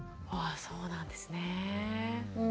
あそうなんですねえ。